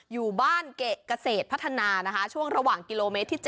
อยู่บ้านเกะเกษตรพัฒนานะคะช่วงระหว่างกิโลเมตรที่๗